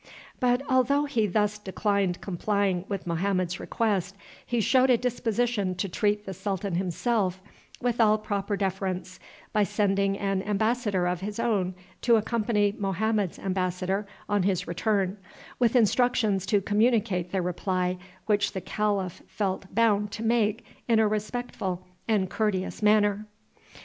But, although he thus declined complying with Mohammed's request, he showed a disposition to treat the sultan himself with all proper deference by sending an embassador of his own to accompany Mohammed's embassador on his return, with instructions to communicate the reply which the calif felt bound to make in a respectful and courteous manner.